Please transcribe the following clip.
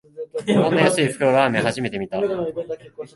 こんな安い袋ラーメン、初めて見た